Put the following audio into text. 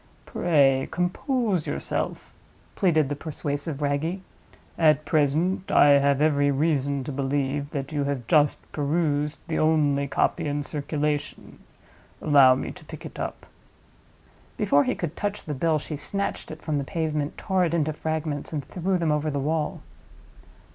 "Pray compose yourself," pleaded the persuasive Wragge. "At present I have every reason to believe that you have just perused the only copy in circulation. Allow me to pick it up." Before he could touch the bill she snatched it from the pavement, tore it into fragments, and threw them over the wall.